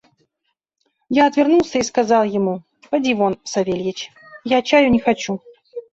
Я отвернулся и сказал ему: «Поди вон, Савельич; я чаю не хочу».